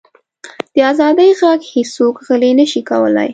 د ازادۍ ږغ هیڅوک غلی نه شي کولی.